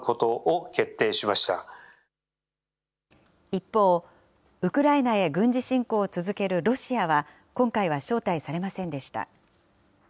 一方、ウクライナへ軍事侵攻を続けるロシアは、今回は招待されませんでした。